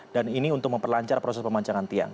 dan ini untuk memperlancar proses pemancangan tiang